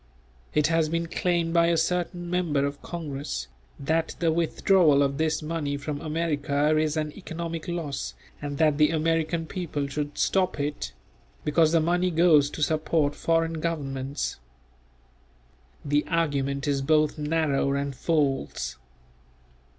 It has been claimed by a certain member of congress, that the withdrawal of this money from America is an economic loss and that the American people should stop it; because the money goes to support foreign governments. The argument is both narrow and false.